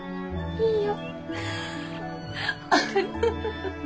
いいよ。